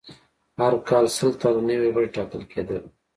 هر کال سل تنه نوي غړي ټاکل کېدل.